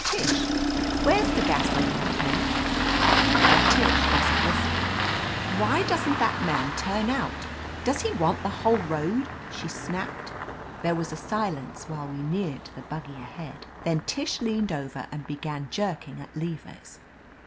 "Tish, where's the gaso line tank?" But Tish wasn't listening. "Why doesn't that man turn out ? Does he want the whole road?" she snapped. There was a silence while we neared the buggy ahead. Then Tish leaned over and began jerking at levers.